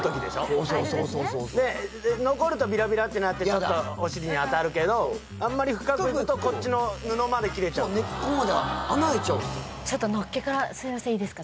そうそうそうそうそうそう残るとビラビラってなってお尻に当たるけどあんまり深くいくとこっちの布まで切れちゃう根っこまで穴開いちゃうちょっとのっけからすいませんいいですか？